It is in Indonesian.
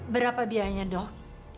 berapa biayanya dong